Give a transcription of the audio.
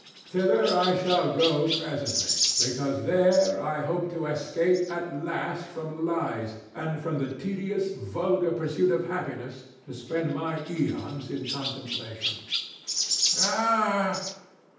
Thither I shall go presently, because there I hope to escape at last from lies and from the tedious, vulgar pursuit of happiness, to spend my eons in contemplation THE STATUE. Ugh!